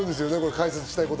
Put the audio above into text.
解説したいこと。